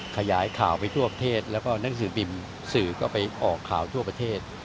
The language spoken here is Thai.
ขยายข่าวไปทั่วประเทศแล้วก็หนังสือพิมพ์สื่อก็ไปออกข่าวทั่วประเทศ